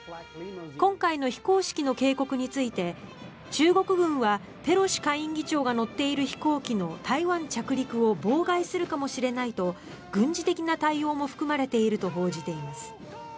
今回の非公式の警告について中国軍はペロシ下院議長が乗っている飛行機の台湾着陸を妨害するかもしれないと軍事的な対応も含まれていると報じています。